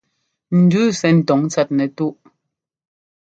Ndʉʉ sɛ́ ńtɔ́ŋ tsɛt nɛtúꞌ.